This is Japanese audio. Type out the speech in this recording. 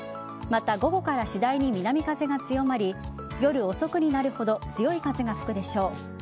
また、午後から次第に南風が強まり夜遅くになるほど強い風が吹くでしょう。